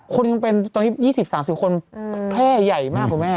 คนยังเป็นตอนนี้๒๐๓๐คนแพร่ใหญ่มากคุณแม่